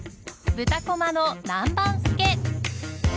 豚こまの南蛮漬け。